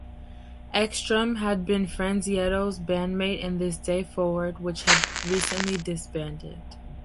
Ekstrom had been Frangicetto's bandmate in This Day Forward, which had recently disbanded.